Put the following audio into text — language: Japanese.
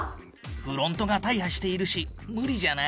フロントが大破しているし無理じゃない？